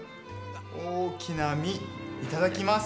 大きな身、いただきます！